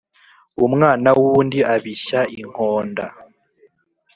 Umwana wundi abishya inkonda